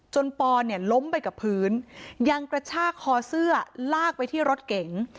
ปอนเนี่ยล้มไปกับพื้นยังกระชากคอเสื้อลากไปที่รถเก๋ง